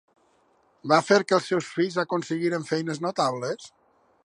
Va fer que els seus fills aconseguissin feines notables?